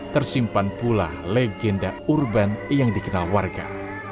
tersimpan pula legenda urban yang dikenal warga